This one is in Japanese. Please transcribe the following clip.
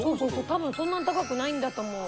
多分そんなに高くないんだと思う。